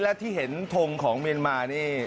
และที่เห็นทงของเมียนมานี่